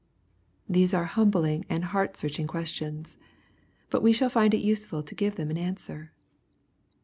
These are humbling and heart searching questions. But we shall find it useful to give them an answer.